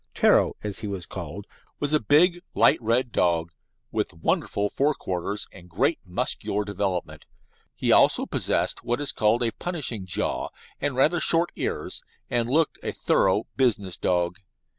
"Ptero," as he was called, was a big, light red dog, with wonderful fore quarters and great muscular development. He also possessed what is called a "punishing jaw" and rather short ears, and looked a thorough "business" dog.